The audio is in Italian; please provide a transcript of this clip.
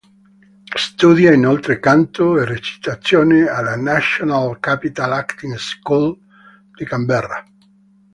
Studia inoltre canto e recitazione alla "National Capital Acting School" di Canberra.